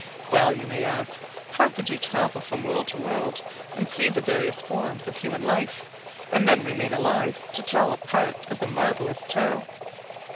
Well you may ask: "How could you travel from world to world and see the various forms of human life, and then remain alive to tell a part of the marvelous tale?"